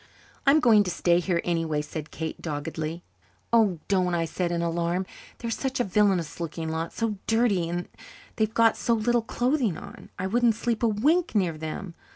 "I'm going to stay here anyhow," said Kate doggedly. "Oh, don't," I said in alarm. "They're such a villainous looking lot so dirty and they've got so little clothing on. I wouldn't sleep a wink near them.